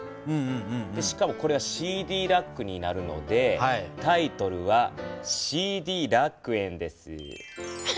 しかもこれはＣＤラックになるのでタイトルは「ＣＤラック園」です。